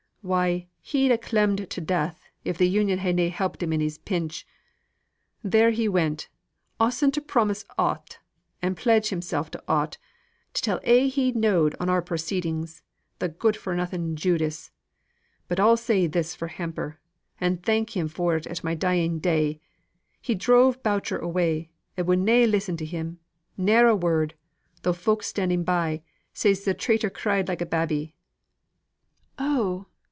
Why he'd a clemmed to death, if th' Union had na helped him in his pinch. There he went, ossing to promise aught, and pledge himsel' to aught to tell a' he know'd on our proceedings, the good for nothing Judas! But I'll say this for Hamper, and thank him for it at my dying day, he drove Boucher away, and would na listen to him ne'er a word though folk standing by, says the traitor cried like a babby!" "Oh!